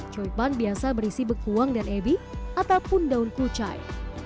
choy pan biasa berisi bekuang dan ebi ataupun daun kucai